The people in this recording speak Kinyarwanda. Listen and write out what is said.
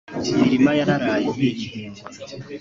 Imirima yararaye ntigihingwa